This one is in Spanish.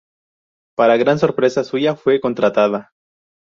Para gran sorpresa suya, fue contratada.